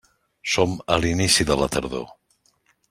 Som a l'inici de la tardor.